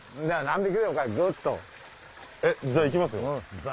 じゃあいきますよ。